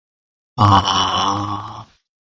If they choose not to, they must write one research paper.